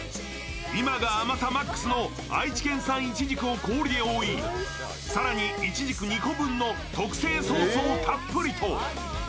今が甘さマックスの愛知県産いちじくを氷で覆い、更にいちじく２個分の特製ソースをたっぷりと。